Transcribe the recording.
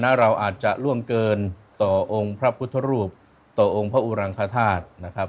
เราอาจจะล่วงเกินต่อองค์พระพุทธรูปต่อองค์พระอุรังคธาตุนะครับ